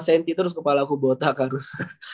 senti terus kepala aku botak harus